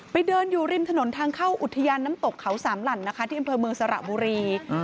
เดินอยู่ริมถนนทางเข้าอุทยานน้ำตกเขาสามหลั่นนะคะที่อำเภอเมืองสระบุรี